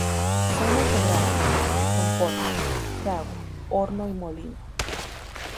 Zona etnográfica, con potro, fragua, horno y molino.